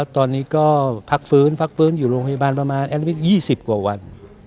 ตอนนี้ก็พักฟื้นพักฟื้นอยู่โรงพยาบาลประมาณ๒๐กว่าวัน